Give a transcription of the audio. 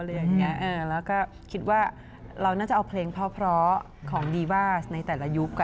แล้วก็คิดว่าเราน่าจะเอาเพลงเพราะของดีว่าในแต่ละยุค